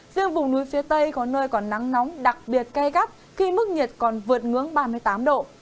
riêng vùng núi phía tây có nơi còn nắng nóng đặc biệt gai gắt khi mức nhiệt còn vượt ngưỡng ba mươi tám độ